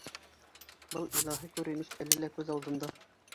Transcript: Был илаһи күренеш әле лә күҙ алдында.